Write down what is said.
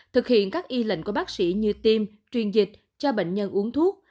thực hiện các y lệnh của bác sĩ như tiêm truyền dịch cho bệnh nhân uống thuốc